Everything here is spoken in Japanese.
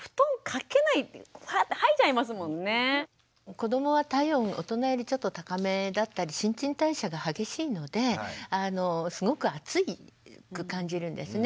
子どもは体温大人よりちょっと高めだったり新陳代謝が激しいのですごく暑く感じるんですね。